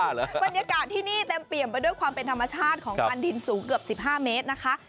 บรรยากาศที่นี่เต็มเปี่ยมไปด้วยความเป็นธรรมชาติของคันดินสูงเกือบ๑๕เมตรนะคะ